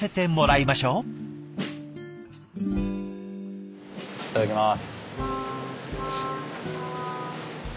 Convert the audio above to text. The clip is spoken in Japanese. いただきます。